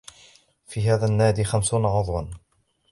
في هذا النادي خمسون عضوا.